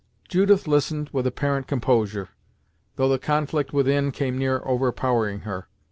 Judith listened with apparent composure, though the conflict within came near overpowering her.